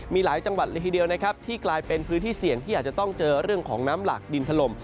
มีหลายจังหวัดละทีเดียวนะครับที่กลายเป็นพื้นที่เสี่ยงที่อาจจะต้องเจอเรื่องของน้ำหลักดินถล่ม